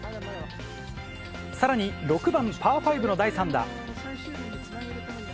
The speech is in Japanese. さらに、６番パー５の第３打。